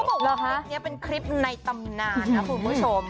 เขาบอกว่านี่เป็นคลิปในตำนานนะคุณผู้ชม